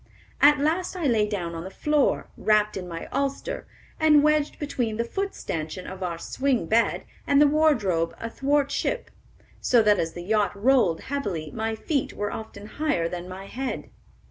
At last I lay down on the floor, wrapped in my ulster, and wedged between the foot stanchion of our swing bed and the wardrobe athwart ship; so that as the yacht rolled heavily, my feet were often higher than my head."